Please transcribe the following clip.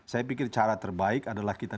saya pikir cara terbaik adalah kita